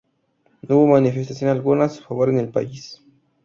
No hubo manifestación alguna a su favor en el país.